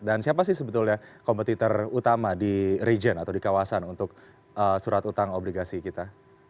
dan siapa sih sebetulnya kompetitor utama di region atau di kawasan untuk surat utang obligasi kita